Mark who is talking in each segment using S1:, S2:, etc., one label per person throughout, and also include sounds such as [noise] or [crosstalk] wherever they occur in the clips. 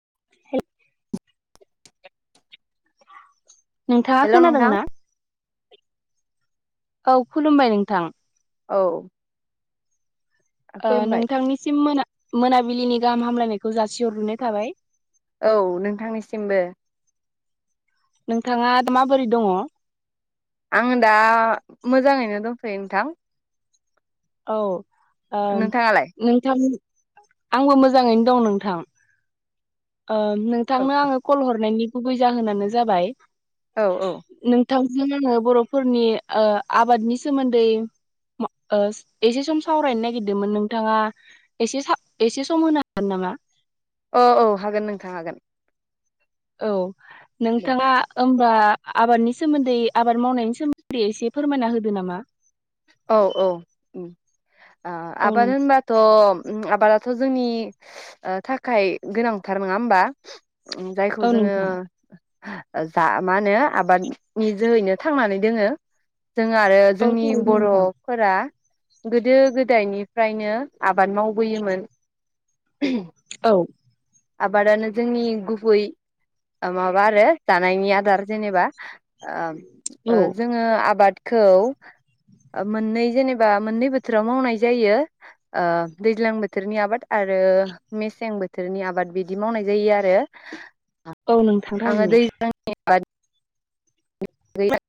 S1: [inaudible] नोंथाङा
S2: हेल' नोंथां
S1: खोनादोंना औ खुलुमबाय नोंथां
S2: औ खुलुमबाय
S1: नोंथांनिसिम मोना मोनाबिलिनि गाहाम हामलायनायखौ जासिहरग्रोनाय थाबाय
S2: औ नोंथांनिसिमबो
S1: नोंथाङा दा माबोरै दङ
S2: आं दा मोजाङैनो दंथयो नोंथां
S1: औ
S2: नोंथाङालाय
S1: नोंथां आंबो मोजाङैनो दं नोंथां
S2: औ
S1: नोंथांनो आङो कल हरनायनि गुबै जाहोनानो जाबाय
S2: औ औ
S1: नोंथांजों आङो बर'फोरनि आबादनि सोमोन्दै एसे सम सावरायनो नागिरदोंमोन नोंथाङा एसे एसे सम होनो हागोन नामा
S2: औ औ हागोन नोंथां हागोन
S1: औ
S2: दे
S1: नोंथाङा होनोबा आबादनि सोमोन्दै आबाद मावनायनि सोमोन्दै एसे फोरमायना होदो नामा
S2: औ औ
S1: औ
S2: आबाद
S1: नों
S2: होनबा थ' आबादाथ' जोंनि थाखाय गोनांथार नङा होमबा जायखौ
S1: औ
S2: जोङो
S1: नोंथां
S2: जा मा होनो आबादनि जोहैनो थांनानै दोङो जों आरो
S1: औ
S2: जोंनि
S1: थारैनो नोंथां
S2: फोर गोदो गोदायनिफ्रायनो आबाद मावबोयोमोन [inaudible]
S1: औ
S2: आबादानो जोंनि गुबै माबा आरो जानायनि आदार जेनेबा
S1: औ
S2: जोङो आबादखौ मोननै जेनेबा मोननै बोथोराव मावनाय जायो दैज्लां बोथोरनि आबाद आरो मेसें बोथोरनि आबाद बिदि मावनाय जायो आरो
S1: औ नों
S2: आङो दैज्लांनि [unintelligible]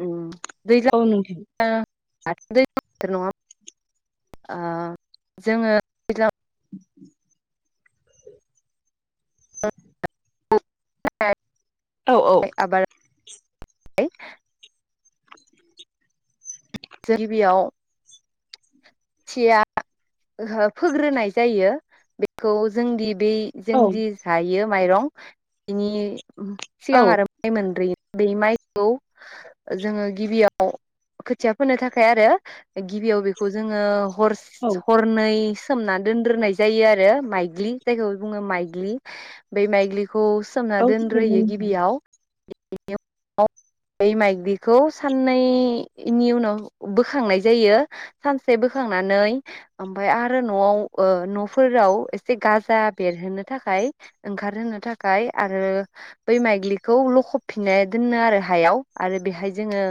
S2: ओ दै
S1: औ नोंथां
S2: [unintelligible] जोङो
S1: औ औ
S2: माइ आबाद [unintelligible] गिबियाव थिया ओ फोग्रोनाय जायो बेखौ जोंदि बे जोंदि
S1: औ
S2: जायो माइरं बिनि
S1: औ
S2: सिगां आरो माइ मोनग्रोयो बे माइखौ जोङो गिबियाव खोथिया फोनो थाखाय आरो गिबियाव बेखौ जोङो हर्स
S1: औ
S2: हरनै सोमनानै दोनग्रोनाय जायो आरो माइग्लि जायखौ बुङो माइग्लि बै माइग्लिखौ सोमना
S1: औ थारैनो
S2: दोनग्रोयो
S1: नोंथां
S2: गिबियाव बै माइग्लिखौ साननैनि उनाव बोखांनाय जायो सानसे बोखांनानै ओमफ्राय आरो न'आव न'फोराव एसे गाजा बेरहोनो थाखाय ओंखारहोनो थाखाय आरो बै माइग्लिखौ लखबफिनना दोनो आरो गाहायाव आरो बेहाय जोङो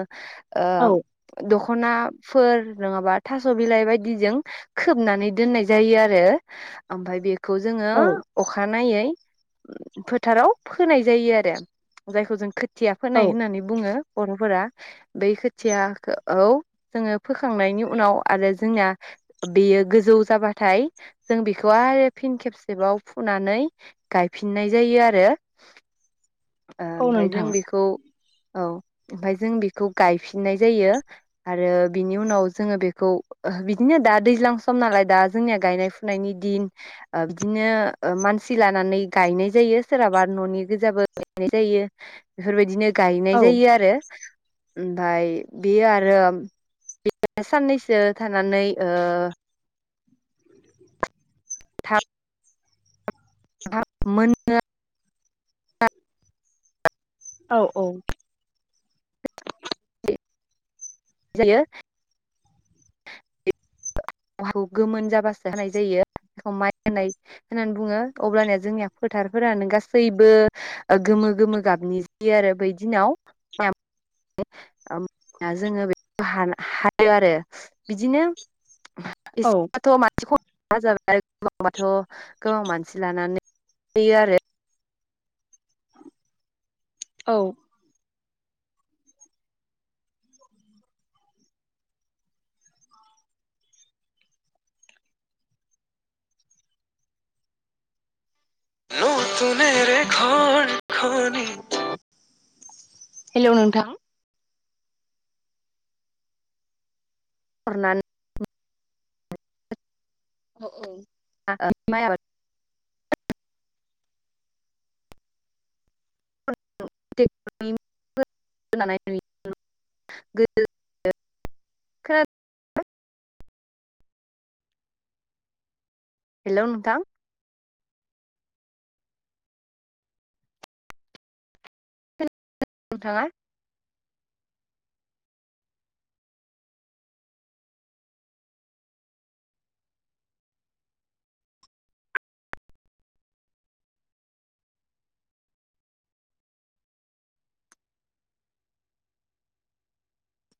S1: औ
S2: दख'नाफोर नङाबा थास' बिलाइ बायदिजों खोबनानै दोननाय जायो आरो ओमफ्राय बेखौ जोङो
S1: औ
S2: अखानायै फोथाराव फोनाय जायो आरो जायखौ जों खोथिया
S1: औ
S2: फोनाय होननानै बुङो बर'फोरा बै खोथियाखौ जोङो फोखांनायनि उनाव आरो जोंना बेयो गोजौ जाबाथाय जों बेखौ आरो फिन खेबसेबाव फुनानै गायफिननाय जायो आरो
S1: [inaudible] औ
S2: ओमफ्राय जों
S1: नोंथां
S2: बेखौ औ ओमफ्राय जों बेखौ गायफिननाय जायो आरो बिनि उनाव जोङो बेखौ बिदिनो दा दैज्लां सम नालाय दा जोंनिया गायनाय फुनायनि दिन बिदिनो मानसि लानानै गायनाय जायो सोरहाबा न'नि गोजाबो गायनाय जायो बेफोरबायदिनो गायनाय
S1: औ
S2: जायो आरो ओमफ्राय बेयो आरो बे साननैसो थानानै मोनो
S1: औ औ
S2: जायो खौ गोमोन जाबासो होनाय जायोखौ माइ होनाय होननानै बुङो अब्लानिया जोंनिया फोथारफोरानो गासैबो गोमो गोमो गाबनि जायो आरो बैदिनाव जोङो बे हायो आरो बिदिनो
S1: औ
S2: एसेबाथ' मानसिखौ जाबाय आरो गोबांबाथ' गोबां मानसि लानानै होयो आरो
S1: औ न'थुन रे खन खनि हेलौ नोंथां
S2: नानै
S1: औ औ
S2: माइ आबाद [unintelligible] गोदो हेल' नोंथां खोनादों नोंथाङा